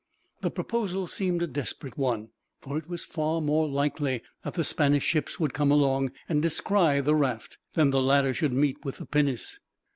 The proposal seemed a desperate one, for it was far more likely that the Spaniards' ships would come along, and descry the raft, than that the latter should meet with the pinnace.